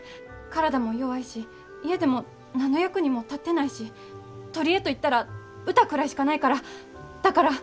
体も弱いし家でも何の役にも立ってないし取り柄と言ったら歌くらいしかないからだから。